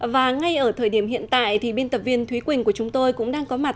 và ngay ở thời điểm hiện tại thì biên tập viên thúy quỳnh của chúng tôi cũng đang có mặt